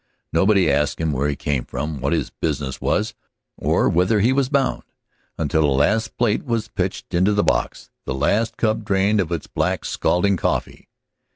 Nobody asked him where he came from, what his business was, or whither he was bound, until the last plate was pitched into the box, the last cup drained of its black, scalding coffee.